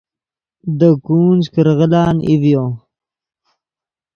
دے گونج کرغیلان ای ڤیو